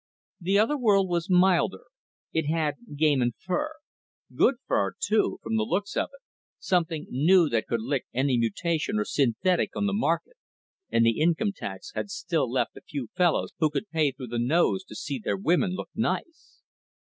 The other world was milder, it had game and fur good fur, too, from the looks of it, something new that could lick any mutation or synthetic on the market, and the income tax had still left a few fellows who could pay through the nose to see their women look nice.